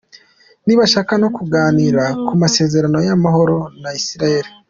Ntibashaka no kuganira ku masezerano y’amahoro na Israel.